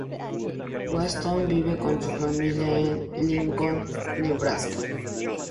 Watson vive con su familia en Lincoln, Nebraska.